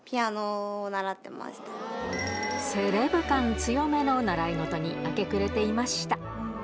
強めの習い事に明け暮れていました